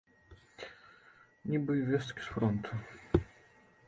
Нібы весткі з фронту!